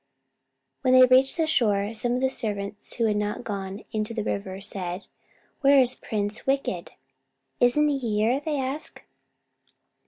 When they reached the shore, some of the servants who had not gone into the river said, "Where is Prince Wicked?" "Isn't he here?" they asked.